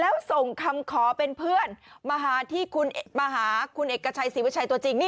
แล้วส่งคำขอเป็นเพื่อนมาหาคุณเอกชัยศิวิชัยตัวจริง